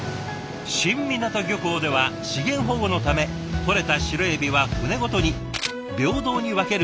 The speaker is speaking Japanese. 新湊漁港では資源保護のためとれたシロエビは船ごとに平等に分ける共同分配制。